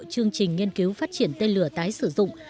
chương trình nghiên cứu phát triển tên lửa tái sử dụng